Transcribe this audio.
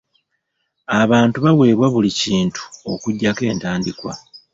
Abantu baawebwa buli kintu okuggyako entandikwa.